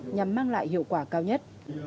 nhằm mang lại hiệu quả cao nhất